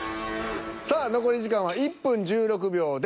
さあ残り時間は１分１６秒です。